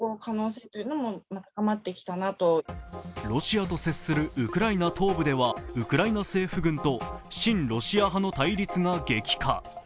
ロシアと接するウクライナ東部では、ウクライナ政府軍と親ロシア派の対立が激化。